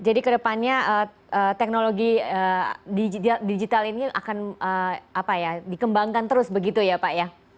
jadi ke depannya teknologi digital ini akan dikembangkan terus begitu ya pak